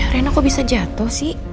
rena kok bisa jatuh sih